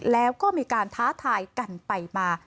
แล้วก็มีการท้าทายกันไปมา